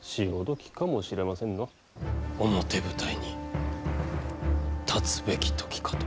表舞台に立つべき時かと。